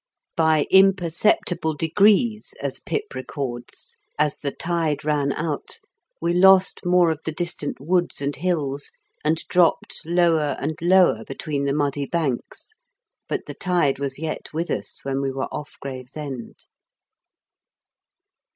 "By imperceptible degrees," as Pip records, "as the tide ran out, we lost more of the distant woods and hills, and dropped lower and lower between the muddy banks, but the tide was yet with us when we were oflf Gravesend."